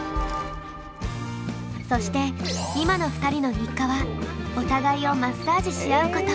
そして今の２人の日課はお互いをマッサージしあうこと。